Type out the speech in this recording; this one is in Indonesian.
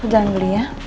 jangan beli ya